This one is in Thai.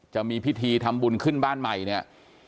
จะมีพิธีทำบุญขึ้นบ้านใหม่เนี่ย